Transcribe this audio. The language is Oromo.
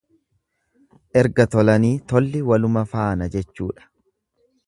Erga tolanii tolli walumafaana jechuudha.